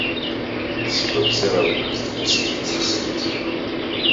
Сгәабзиара акәмызт хәыцырҭас исымаз.